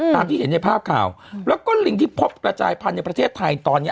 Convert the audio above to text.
ตามที่เห็นในภาพข่าวแล้วก็ลิงที่พบกระจายพันธุ์ในประเทศไทยตอนนี้